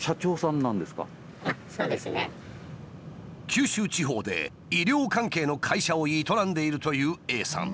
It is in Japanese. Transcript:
九州地方で医療関係の会社を営んでいるというＡさん。